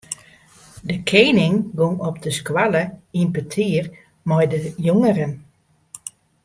De kening gong op de skoalle yn petear mei de jongeren.